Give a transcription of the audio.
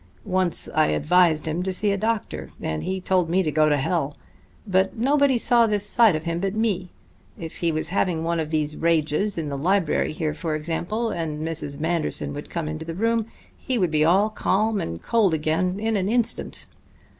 Once I advised him to see a doctor, and he told me to go to hell. But nobody saw this side of him but me. If he was having one of these rages in the library here, for example, and Mrs. Manderson would come into the room, he would be all calm and cold again in an instant."